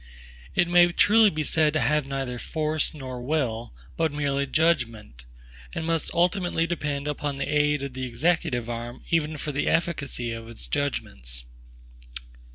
It may truly be said to have neither FORCE nor WILL, but merely judgment; and must ultimately depend upon the aid of the executive arm even for the efficacy of its judgments.